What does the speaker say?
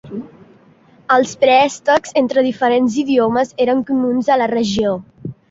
Els préstecs entre diferents idiomes eren comuns a la regió.